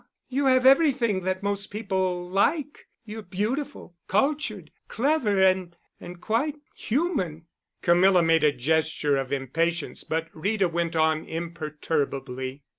—you have everything that most people like—you're beautiful, cultured, clever and—and quite human." Camilla made a gesture of impatience, but Rita went on imperturbably.